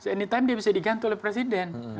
anytime dia bisa digantung oleh presiden